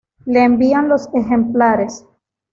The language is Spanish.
Le envían los ejemplares.